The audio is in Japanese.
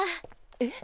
えっ？